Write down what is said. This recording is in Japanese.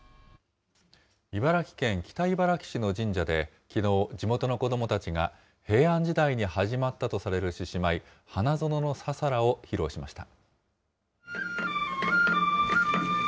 茨城県北茨城市の神社できのう、地元の子どもたちが、平安時代に始まったとされる獅子舞、花園のささらを披露しました。